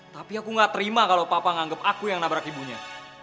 tapi aku gak terima kalau papa nganggep aku yang nabrak ibunya